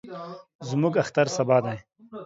زموږ اختر سبا دئ.